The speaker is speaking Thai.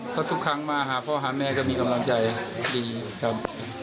เพราะทุกครั้งมาหาพ่อหาแม่ก็มีกำลังใจดีครับ